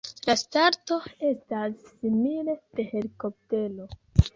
La starto estas simile de helikoptero.